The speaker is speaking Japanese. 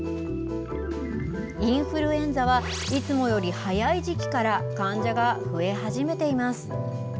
インフルエンザはいつもより早い時期から患者が増え始めています。